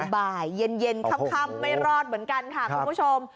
บ่ายเย็นค่ำไม่รอดเหมือนกันค่ะคุณผู้ชม